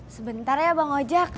sebentar ya bang ojek